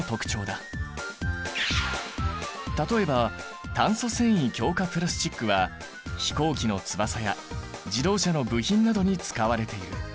例えば炭素繊維強化プラスチックは飛行機の翼や自動車の部品などに使われている。